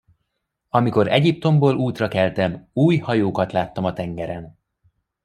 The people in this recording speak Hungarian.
Amikor Egyiptomból útra keltem, új hajókat láttam a tengeren.